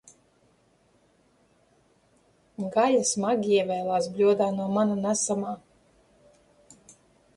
Gaļa smagi ievēlās bļodā no mana nesamā.